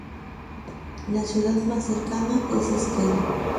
La ciudad más cercana es Esquel.